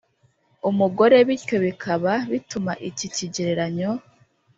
Umugore bityo bikaba bituma iki kigereranyo